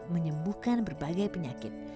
menyembuhkan berbagai penyakit